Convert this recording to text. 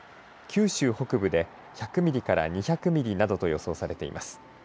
九州北部で１００ミリから２００ミリなどと予想されています。